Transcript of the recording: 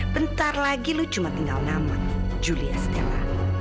bentar lagi lu cuma tinggal ngamut juli astela